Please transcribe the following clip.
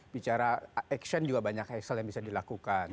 bicara aksion juga banyak aksion yang bisa dilakukan